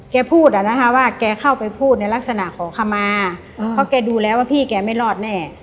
แกเข้าไปพูดในลักษณะขอขมาเพราะแกดูแล้วว่าพี่แกไม่รอดแน่